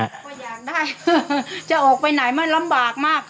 แต่ก็อยากได้จะออกไปไหนมันลำบากมาก